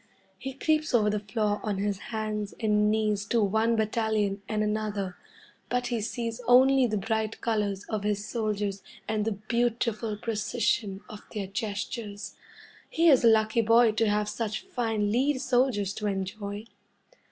He creeps over the floor on his hands and knees to one battalion and another, but he sees only the bright colours of his soldiers and the beautiful precision of their gestures. He is a lucky boy to have such fine lead soldiers to enjoy.